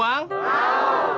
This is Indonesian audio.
ada yang mau uang